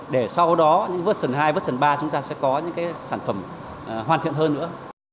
để sau đó những vớt sần hai vớt sần ba chúng ta sẽ có những cái sản phẩm hoàn thiện hơn nữa